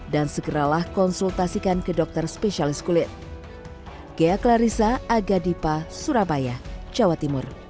dan segeralah konsultasikan ke dokter spesialis kulit